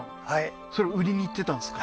それ売りにいってたんですか？